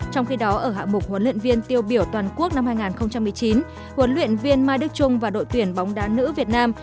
trong khi đó ở hạ mục huấn luyện viên tiêu biểu toàn quốc năm hai nghìn một mươi chín huấn luyện viên mai đức trung và đội tuyển bóng đá nữ việt nam